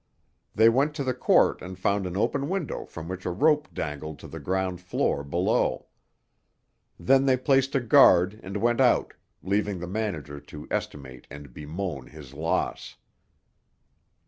They went to the court and found an open window from which a rope dangled to the ground floor below. Then they placed a guard and went out, leaving the manager to estimate and bemoan his loss.